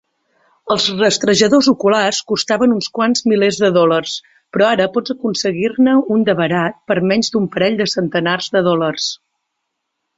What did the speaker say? Els rastrejadors oculars costaven uns quants milers de dòlars, però ara pots aconseguir-ne un de barat per menys d'un parell de centenars de dòlars.